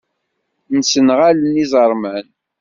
Msenɣalen iẓeṛman.